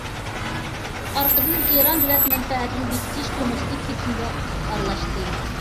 ئارقىدىن ئىران دۆلەت مەنپەئەتىنى بېكىتىش كومىتېتى كېسىمگە ئارىلاشتى.